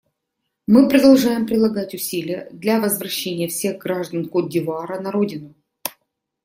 Мы продолжаем прилагать усилия для возвращения всех граждан Котд'Ивуара на родину.